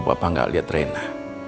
papa gak liat rena